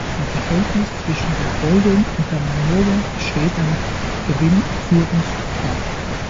Im Verhältnis zwischen der Holding und der Mainova besteht ein Gewinnabführungsvertrag.